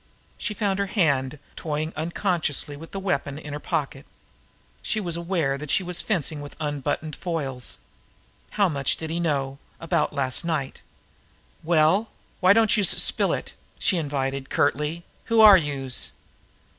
She found her hand toying unconsciously with the weapon in her pocket. She was aware that she was fencing with unbuttoned foils. How much did he know about last night? "Well, why don't youse spill it?" she invited curtly. "Who are youse?"